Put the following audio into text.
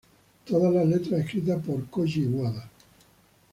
Todas las letras escritas por Kōji Wada.